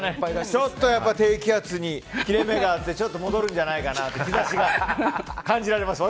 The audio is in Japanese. ちょっと低気圧に切れ目があってちょっと戻るんじゃないかなと感じました。